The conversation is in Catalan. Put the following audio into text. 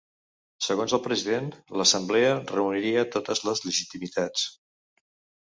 Segons el president, l’assemblea reuniria totes les legitimitats.